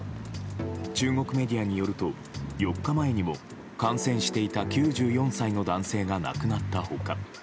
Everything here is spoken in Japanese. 中国メディアによると４日前にも感染していた９４歳の男性が亡くなった他